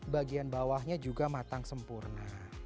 bagian bawahnya juga matang sempurna